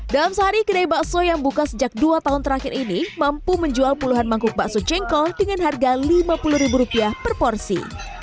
dalam sehari kedai bakso yang buka sejak dua tahun terakhir ini mampu menjual puluhan mangkuk bakso jengkol dengan harga rp lima puluh per porsi